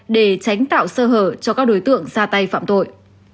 để tránh tạo sơ hở cho các đối tượng ra tay phạm tội